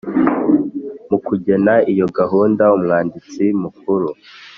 Mu kugena iyo gahunda Umwanditsi Mukuru